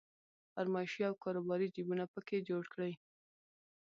فرمایشي او کاروباري جيبونه په کې جوړ کړي.